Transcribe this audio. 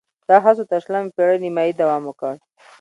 دا هڅو تر شلمې پېړۍ نیمايي دوام وکړ